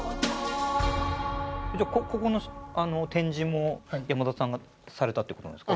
じゃあここの展示も山田さんがされたってことなんですか？